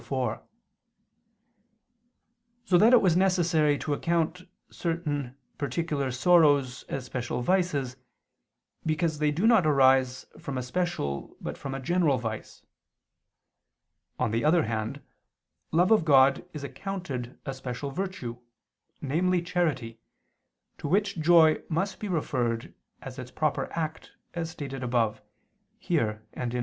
4); so that it was necessary to account certain particular sorrows as special vices, because they do not arise from a special, but from a general vice. On the other hand love of God is accounted a special virtue, namely charity, to which joy must be referred, as its proper act, as stated above (here and A.